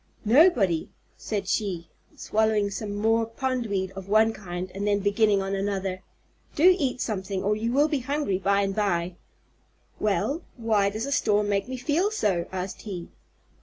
"Nobody," said she, swallowing some more pondweed of one kind and then beginning on another. "Do eat something or you will be very hungry by and by." "Well, why does a storm make me feel so?" asked he.